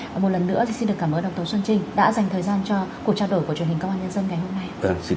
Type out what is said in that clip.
và một lần nữa xin được cảm ơn đồng tố xuân trinh đã dành thời gian cho cuộc trao đổi của truyền hình công an nhân dân ngày hôm nay